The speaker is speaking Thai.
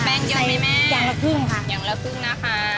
แป้งเยอะไหมแม่ใส่อย่างละครึ่งค่ะอย่างละครึ่งนะคะ